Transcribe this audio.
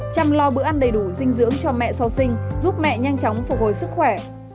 chăm lo bữa ăn đầy đủ dinh dưỡng cho mẹ sau sinh giúp mẹ nhanh chóng phục hồi sức khỏe